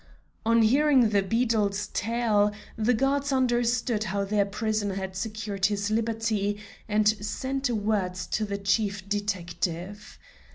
On hearing the beadle's tale, the guards understood how their prisoner had secured his liberty, and sent word to the Chief Detective.